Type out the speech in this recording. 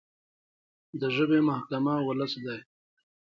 د ژبې محکمه ولس دی.